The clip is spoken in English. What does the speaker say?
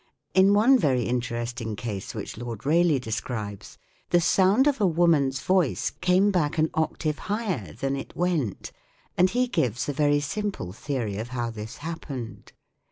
In one very interesting case which Lord Rayleigh describes, the sound of a woman's voice came back an octave higher than it went, and he gives a very simple theory of how this happened.